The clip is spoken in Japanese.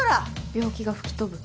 病気が吹き飛ぶ。